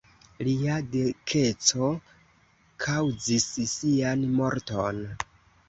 Lia dikeco kaŭzis sian morton.